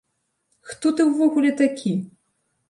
Хто ты ўвогуле такі?!